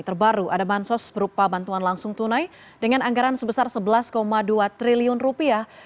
terbaru ada bansos berupa bantuan langsung tunai dengan anggaran sebesar sebelas dua triliun rupiah